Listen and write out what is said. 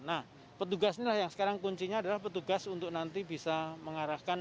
nah petugas inilah yang sekarang kuncinya adalah petugas untuk nanti bisa mengarahkan